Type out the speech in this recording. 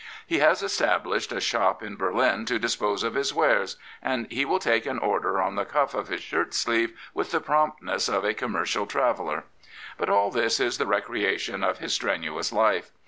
He has established a shop in Berlin to dispose of his wares, and he will take an order on the cuff of his shirt sleeve with the prompt ness of a commercial traveller. But all this is the recreation of his strenuous life.